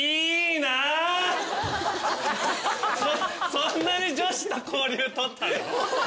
そんなに女子と交流取ったの？